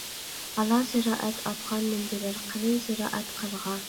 ئالا زىرائەت ئاتقا مىندۈرەر، قېلىن زىرائەت قىرغا.